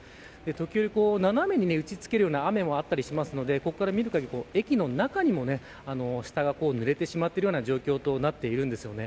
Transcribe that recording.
時折、斜めに打ちつけるような雨もあったりしますのでここから見る限り駅の中にも下がぬれてしまっているような状況となっています。